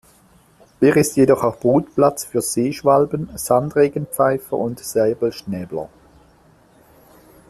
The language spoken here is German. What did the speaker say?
Er ist jedoch auch Brutplatz für Seeschwalben, Sandregenpfeifer und Säbelschnäbler.